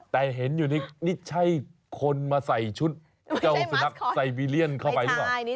แต่เห็นอยู่นี่ใช่คนมาใส่ชุดเจ้าสุนัขไซวีเลียนเข้าไปหรือเปล่า